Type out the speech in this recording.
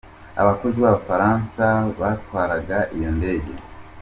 Abakozi b’abafaransa batwaraga iyo ndege :